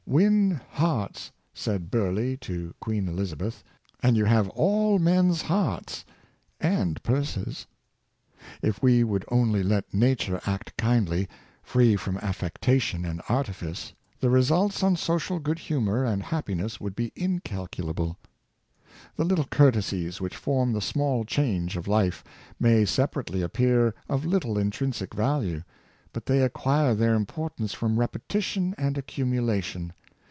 " Win hearts," said Bur leigh to Queen Elizabeth, " and you have all men's hearts and purses." If we would only let nature act kindly, free from affectation and artifice, the results on A necdote of A bernethy. 609 social good humor and happiness would be incalculable. The little courtesies which form the small change of life, may separately appear of little intrinsic value, but they acquire their importance from repetition and ac cumulation.